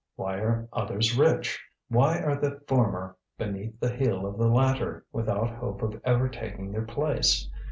why are others rich? why are the former beneath the heel of the latter without hope of ever taking their place?